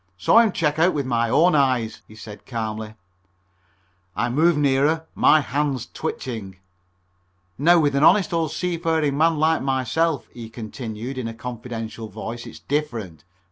"Saw him check out with my own eyes," he said calmly. I moved nearer, my hands twitching. "Now with an honest old seafaring man like myself," he continued, in a confidential voice, "it's different.